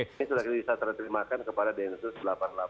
ini sudah kita terimakan kepada densus delapan puluh delapan